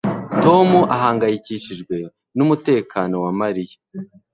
Tom ahangayikishijwe numutekano wa Mariya